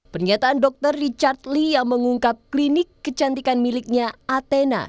pernyataan dr richard lee yang mengungkap klinik kecantikan miliknya atena